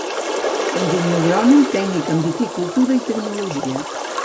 Enginyer agrònom, tècnic en viticultura i tecnologia.